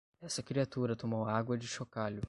essa criatura tomou água de chocalho